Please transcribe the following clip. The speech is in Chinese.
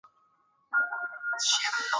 思茅叉蕨为叉蕨科叉蕨属下的一个种。